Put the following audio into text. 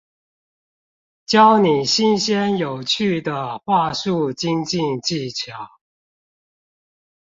教你新鮮有趣的話術精進技巧